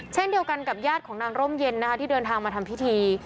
เช่นเดียวกันกับญาติของนางร่มเย็นนะคะที่เดินทางมาทำพิธี